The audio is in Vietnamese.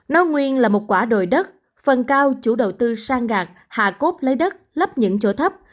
nó nguyên là một quả đồi đất phần cao chủ đầu tư sang gạt hà cốp lấy đất lấp những chỗ thấp